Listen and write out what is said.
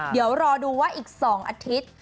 เดี๋ยวรอดูว่าอีก๒อาทิตย์